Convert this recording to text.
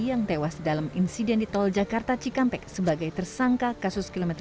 yang tewas dalam insiden di tol jakarta cikampek sebagai tersangka kasus kilometer lima puluh